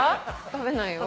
食べないよ。